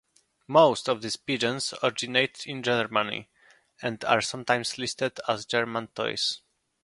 Most of these pigeons originate in Germany, and are sometimes listed as German Toys.